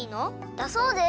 だそうです。